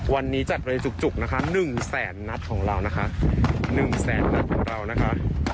วันนี้จัดเลยจุกจุกนะคะหนึ่งแสนนัดของเรานะคะหนึ่งแสนนัดของเรานะคะ